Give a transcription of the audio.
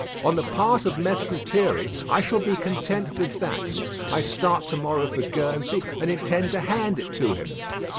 On the part of Mess Lethierry, I shall be content with that. I start to morrow for Guernsey, and intend to hand it to him.